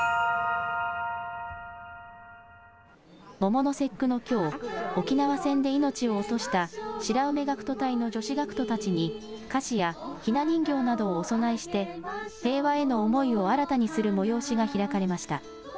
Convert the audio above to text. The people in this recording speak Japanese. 桃の節句のきょう沖縄戦で命を落とした白梅学徒隊の女子学徒たちに菓子やひな人形などをお供えして平和への思いを新たにする催しが開かれました。